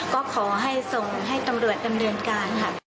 ก็ขอให้ส่งให้ตำรวจดำเนินการค่ะ